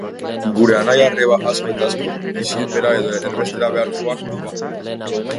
Gure anaia-arreba asko eta asko isilpera edo erbestera behartuak dira.